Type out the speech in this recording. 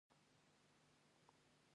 سپوږمۍ د فضانوردانو لپاره یو مهم هدف و